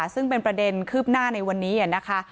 ซึ่งเป็นประเด็นคืบหน้าในวันนี้นะคะ